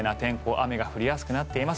雨が降りやすくなっています。